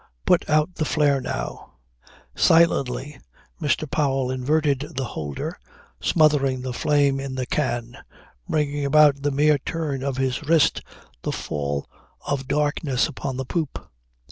Put out the flare now." Silently Mr. Powell inverted the holder, smothering the flame in the can, bringing about by the mere turn of his wrist the fall of darkness upon the poop.